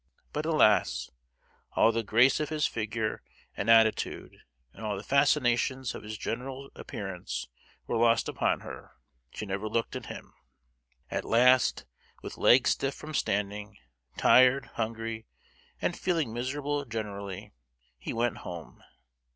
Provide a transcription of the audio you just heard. But alas! all the grace of his figure and attitude, and all the fascinations of his general appearance were lost upon her, she never looked at him. At last, with legs stiff from standing, tired, hungry, and feeling miserable generally, he went home.